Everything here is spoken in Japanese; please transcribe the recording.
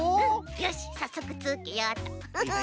よしさっそくつけよっとウフフ。